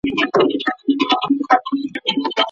حقوقو پوهنځۍ په بیړه نه بشپړیږي.